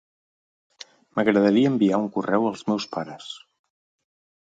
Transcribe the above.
M'agradaria enviar un correu als meus pares.